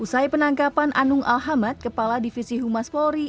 usai penangkapan anung alhamad kepala divisi humas polri